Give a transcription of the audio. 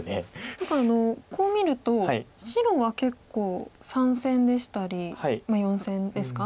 何かこう見ると白は結構３線でしたりまあ４線ですか。